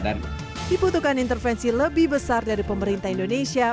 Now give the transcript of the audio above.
dibutuhkan intervensi lebih besar dari pemerintah indonesia